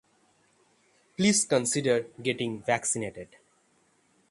Please consider getting vaccinated.